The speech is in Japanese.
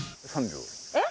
３秒？